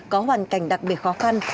có hoàn cảnh đặc biệt khó khăn